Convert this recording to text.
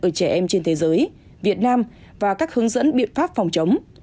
ở trẻ em trên thế giới việt nam và các hướng dẫn biện pháp phòng chống